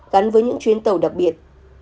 gắn với những chuyến tàu đặc biệt